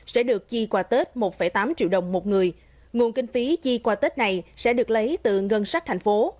sẽ được chi qua tết một tám triệu đồng một người nguồn kinh phí chi qua tết này sẽ được lấy từ ngân sách thành phố